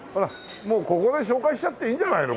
もうここで紹介しちゃっていいんじゃないの？